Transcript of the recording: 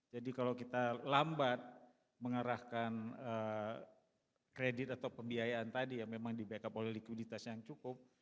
jadi kalau kita lambat mengarahkan kredit atau pembiayaan tadi yang memang di backup oleh likuiditas yang cukup